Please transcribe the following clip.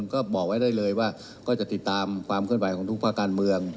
ก็บอกไว้ได้เลยว่าก็จะติดตามความเคลื่อนไหวของทุกภาคการเมือง